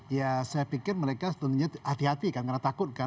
ya saya pikir mereka tentunya hati hati karena takut kan